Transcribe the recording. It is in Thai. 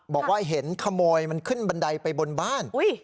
บอกว่าเห็นขโมยมันขึ้นบันไดไปบนบ้าน